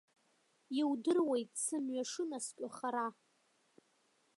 Иудыруеит сымҩа шынаскьо хара.